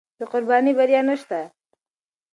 بې قربانۍ بریا نشته.